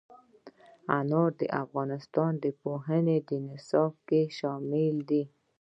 انار د افغانستان د پوهنې نصاب کې شامل دي.